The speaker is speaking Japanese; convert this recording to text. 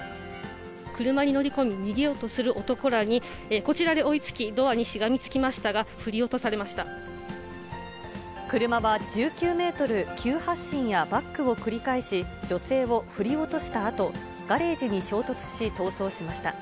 車に乗り込み、逃げようとする男らに、こちらで追いつき、ドアにしがみつきましたが、車は１９メートル、急発進やバックを繰り返し、女性を振り落としたあと、ガレージに衝突し、逃走しました。